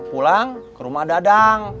pulang kerumah dadang